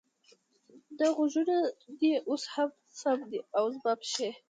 نه، غوږونه دې اوس هم سم دي، او زما پښې؟